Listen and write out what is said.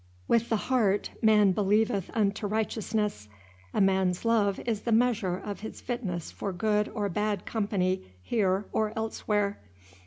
"With the heart man believeth unto righteousness;" a man's love is the measure of his fitness for good or bad company here or elsewhere.